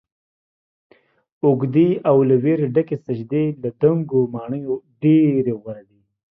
اوږدې او له ويرې ډکې سجدې له دنګو ماڼیو ډيرې غوره دي